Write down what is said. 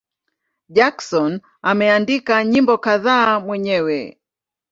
Jackson ameandika nyimbo kadhaa mwenyewe.